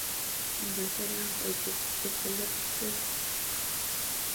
مګر زه بیا هم په جیب کي لپ سټک ګرزوم